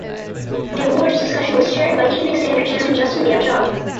The awards discussion was chaired by Evening Standard Chairman Justin Byam Shaw.